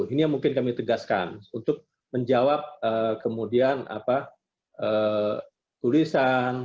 ini yang mungkin kami tegaskan untuk menjawab kemudian tulisan